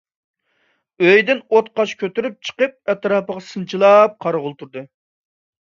ئۆيدىن ئوتقاش كۆتۈرۈپ چىقىپ، ئەتراپقا سىنچىلاپ قارىغىلى تۇردى.